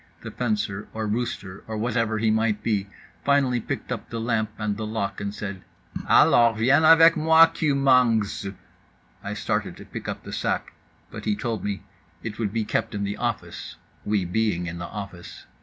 The fencer, or rooster or whatever he might be, finally, picking up the lamp and the lock, said: "Alors, viens avec moi, KEW MANGZ." I started to pick up the sac, but he told me it would be kept in the office (we being in the office).